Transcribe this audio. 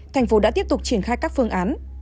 tp hcm đã tiếp tục triển khai các phương án